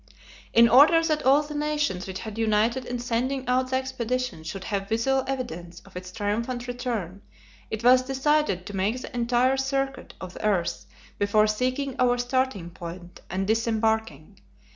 In order that all the nations which had united in sending out the expedition should have visual evidence of its triumphant return, it was decided to make the entire circuit of the earth before seeking our starting point and disembarking.